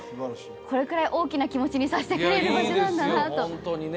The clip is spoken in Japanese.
これくらい大きな気持ちにさせてくれる場所なんだなとホントにね